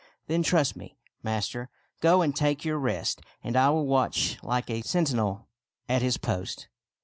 " Then trust me, master. Go and take your rest, and I will watch like a sentinel at his post."